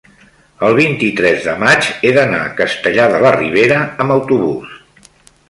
el vint-i-tres de maig he d'anar a Castellar de la Ribera amb autobús.